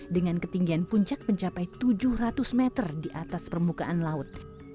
dengan ketinggian puncak mencapai tujuh ratus meter di atas permukaan laut